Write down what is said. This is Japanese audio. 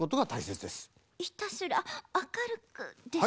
「ひたすらあかるく」ですか？